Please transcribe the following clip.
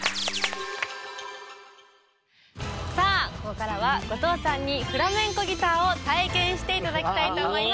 さあここからは後藤さんにフラメンコギターを体験して頂きたいと思います！